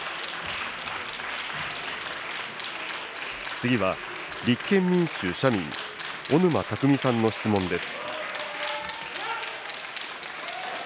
次は、立憲民主・社民、小沼巧さんの質問です。